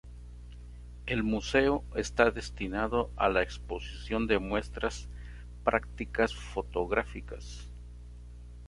El Museo está destinado a la exposición de muestras prácticas fotográficas.